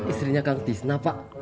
istrinya kangen tisna pak